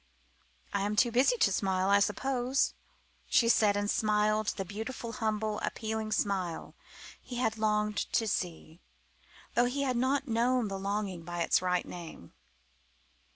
"I am too busy to smile, I suppose!" she said, and smiled the beautiful, humble, appealing smile he had so longed to see again, though he had not known the longing by its right name.